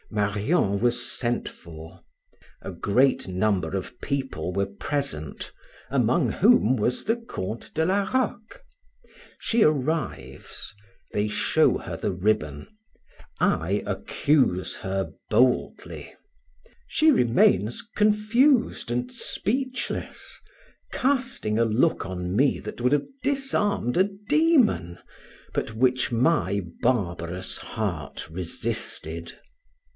Marion was sent for; a great number of people were present, among whom was the Count de la Roque: she arrives; they show her the ribbon; I accuse her boldly: she remains confused and speechless, casting a look on me that would have disarmed a demon, but which my barbarous heart resisted.